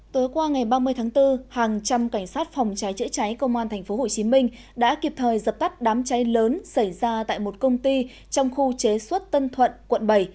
tối qua ngày ba mươi tháng bốn hàng trăm cảnh sát phòng cháy chữa cháy công an tp hcm đã kịp thời dập tắt đám cháy lớn xảy ra tại một công ty trong khu chế xuất tân thuận quận bảy